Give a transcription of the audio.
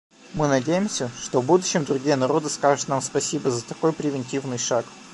Мы надеемся, что в будущем другие народы скажут нам спасибо за такой превентивный шаг.